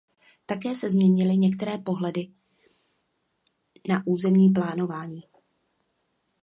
Také se změnily některé pohledy na územní plánování.